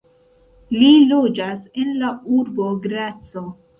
Li loĝas en la urbo Graco.